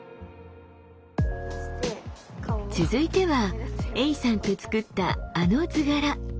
続いてはエイさんと作ったあの図柄。